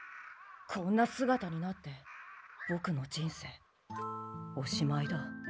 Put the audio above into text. こんなすがたになってボクの人生おしまいだ。